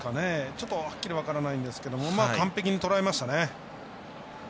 ちょっとはっきり分からないんですけど完璧にとらえましたね。